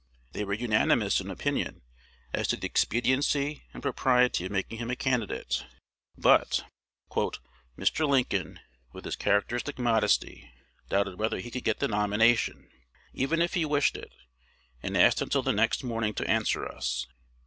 They were unanimous in opinion as to the expediency and propriety of making him a candidate. But "Mr. Lincoln, with his characteristic modesty, doubted whether he could get the nomination, even if he wished it, and asked until the next morning to answer us....